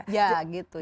ya gitu ya